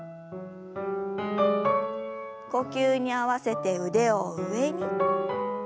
呼吸に合わせて腕を上に。